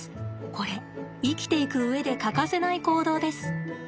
これ生きていく上で欠かせない行動です。